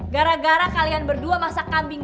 gara gara kalian berdua masak kambing